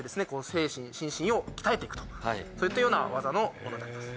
精神心身を鍛えていくとそういったような技のものであります